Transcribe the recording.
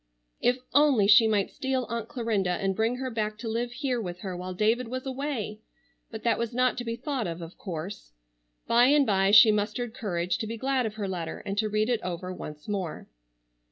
If only she might steal Aunt Clarinda and bring her back to live here with her while David was away! But that was not to be thought of, of course. By and by she mustered courage to be glad of her letter, and to read it over once more.